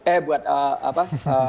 eh buat apa